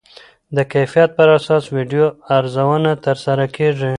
د کیفیت پر اساس ویډیو ارزونه ترسره کېږي.